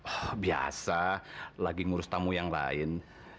wah biasa lagi ngurus tamu yang lain